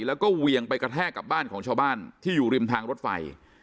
แล้วก็เวียงไปกระแทกกับบ้านของชาวบ้านที่อยู่ริมทางรถไฟ